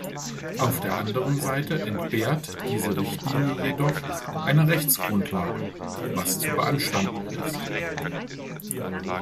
Auf der andern Seite entbehrt diese Richtlinie jedoch einer Rechtsgrundlage, was zu beanstanden ist.